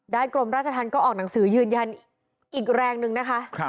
กรมราชธรรมก็ออกหนังสือยืนยันอีกแรงนึงนะคะ